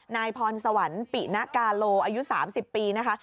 นายพรสวรรค์ปิณกาโลอายุ๓๐ปีนะคะ